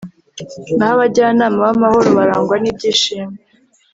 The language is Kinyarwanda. naho abajyanama b'amahoro barangwa n'ibyishimo